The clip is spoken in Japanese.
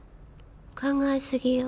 考え過ぎよ。